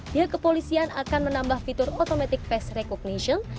pihak kepolisian akan menambah fitur automatic face recognition